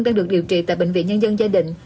đang được điều trị tại bệnh viện nhân dân gia đình